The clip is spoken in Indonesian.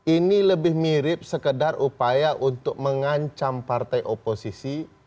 ini lebih mirip sekedar upaya untuk mengancam partai oposisi